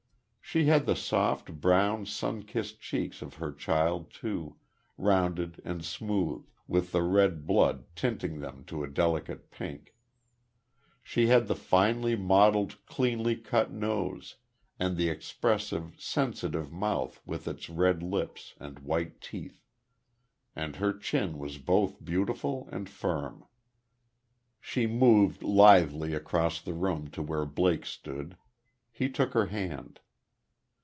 She had the soft, brown, sun kissed cheeks of her child, too, rounded and smooth, with the red blood tinting them to a delicate pink. She had the finely modelled, cleanly cut nose, and the expressive, sensitive mouth with its red lips, and white teeth. And her chin was both beautiful and firm. She moved lithely across the room to where Blake stood. He took her hand.